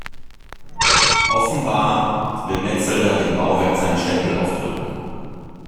Offenbar will Metzelder dem Bauwerk seinen Stempel aufdrücken.